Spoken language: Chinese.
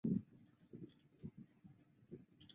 之后投入抗日战争。